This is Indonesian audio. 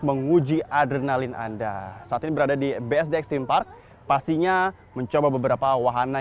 menguji adrenalin anda saat ini berada di bsd extreme park pastinya mencoba beberapa wahana